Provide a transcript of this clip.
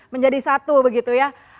menjadi satu begitu ya